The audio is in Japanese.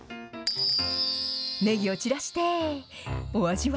ねぎを散らして、お味は？